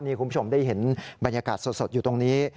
คุณผู้ชมได้เห็นบรรยากาศสดอยู่ตรงนี้